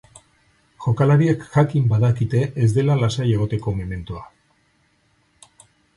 Jokalariek jakin badakite ez dela lasai egoteko mementoa.